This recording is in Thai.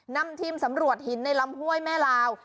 นำทีมสำรวจหินในลำห้วยแม่ลาว